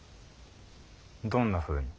どんなふうに？